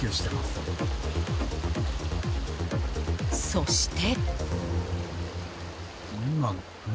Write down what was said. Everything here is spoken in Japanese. そして。